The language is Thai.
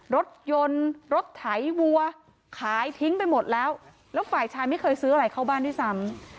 รถยนต์รถไถวัวขายทิ้งไปหมดแล้วแล้วฝ่ายชายไม่เคยซื้ออะไรเข้าบ้านด้วยซ้ำ